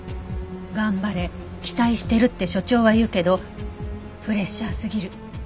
「頑張れ期待してるって所長は言うけどプレッシャーすぎる」